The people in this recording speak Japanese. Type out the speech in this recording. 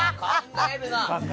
考えるなあ。